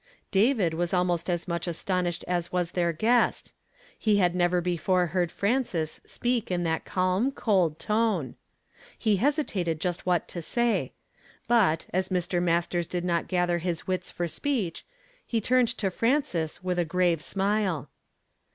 David was almost as much astonished as was their guest. He had never before heard Frances y.f 346 YESTERDAY FRAMED IN TO DAV. Ih il speak in that calin, cold tone. He hesitated just what to say ; but, as jNIr. Masters did not gather his wits for speech, lie turned to Frances with a grave smile.